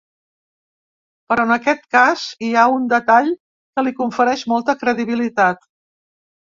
Però en aquest cas hi ha un detall que li confereix molta credibilitat.